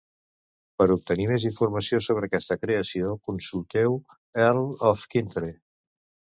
Per obtenir més informació sobre aquesta creació, consulteu Earl of Kintore.